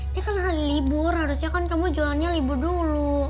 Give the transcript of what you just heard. ini kan hari libur harusnya kan kamu jualnya libur dulu